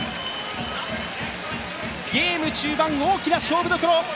ゲーム中盤、大きな勝負どころ。